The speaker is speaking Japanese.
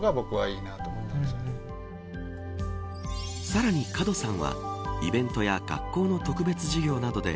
さらに門さんはイベントや学校の特別授業などで